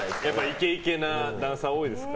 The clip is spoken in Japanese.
イケイケなダンサー多いですか。